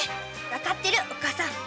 わかってるおっかさん。